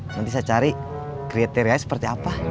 nanti saya cari kriterianya seperti apa